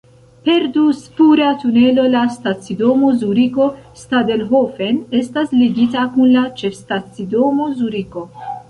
Per du-spura tunelo la stacidomo Zuriko-Stadelhofen estas ligita kun la Ĉefstacidomo Zuriko.